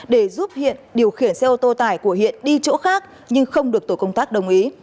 để giúp hiện điều khiển xe ô tô tải của hiện đi chỗ khác nhưng không được tổ công tác đồng ý